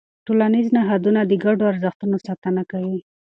ټولنیز نهادونه د ګډو ارزښتونو ساتنه کوي.